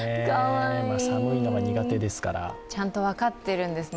寒いのが苦手ですから。ちゃんと分かってるんですね